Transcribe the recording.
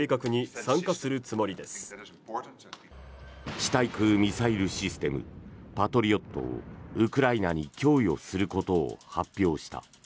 地対空ミサイルシステムパトリオットをウクライナに供与することを発表した。